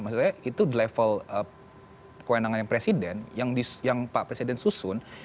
maksudnya itu level kewenangan presiden yang pak presiden susun